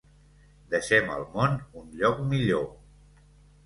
Deixem el món un lloc millor.